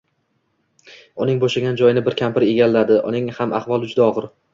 Uning bo`shagan joyini bir kampir egalladi, uning ham ahvoli juda og`ir